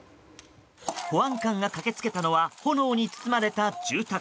保安官が駆け付けたのは炎に包まれた住宅。